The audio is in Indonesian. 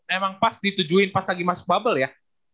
emang pas ditujuin pas lagi masuk bubble ya